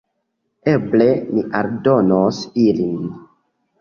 Eble ni aldonos ilin.